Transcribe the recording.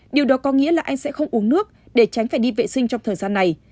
điều đó có nghĩa là anh sẽ không uống nước để tránh phải đi vệ sinh trong thời gian này